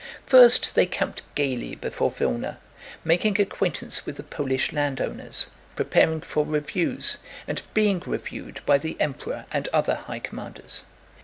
First they camped gaily before Vílna, making acquaintance with the Polish landowners, preparing for reviews and being reviewed by the Emperor and other high commanders.